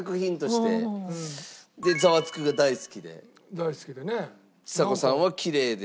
大好きでね。